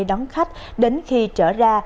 đón khách đến khi trở ra